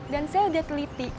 dan saya udah teliti